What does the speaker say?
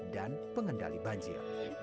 dan pengendali banjir